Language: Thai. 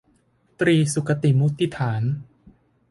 ตรีสุคติสมุฏฐาน